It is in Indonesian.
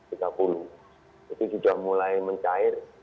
itu sudah mulai mencair